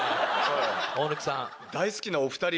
大貫さん。